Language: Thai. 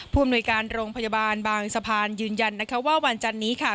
อำนวยการโรงพยาบาลบางสะพานยืนยันว่าวันจันนี้ค่ะ